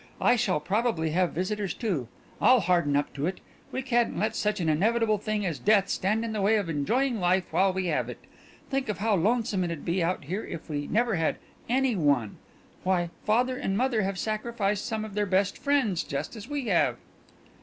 I shall probably have visitors too I'll harden up to it. We can't let such an inevitable thing as death stand in the way of enjoying life while we have it. Think of how lonesome it'd be out here if we never had any one. Why, father and mother have sacrificed some of their best friends just as we have."